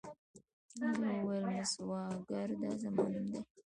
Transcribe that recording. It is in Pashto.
هغې وویل: مس واکر، دا زما نوم دی.